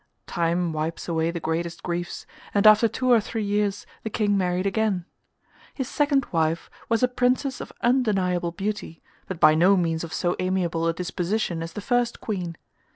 Time wipes away the greatest griefs, and after two or three years the King married again. His second wife was a Princess of undeniable beauty, but by no means of so amiable a disposition as the first Queen.